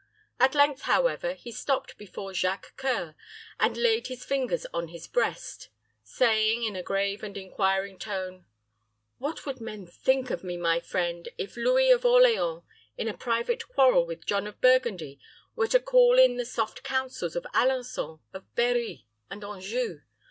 At length, however, he stopped before Jacques C[oe]ur, and laid his finger on his breast, saying, in a grave and inquiring tone, "What would men think of me, my friend, if Louis of Orleans, in a private quarrel with John of Burgundy, were to call in the soft counsels of Alençon, of Berri, and Anjou?